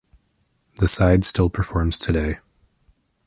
The side still performs today.